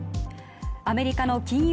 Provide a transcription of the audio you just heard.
アメリカの金融